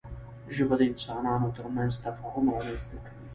ژبه د انسانانو ترمنځ تفاهم رامنځته کوي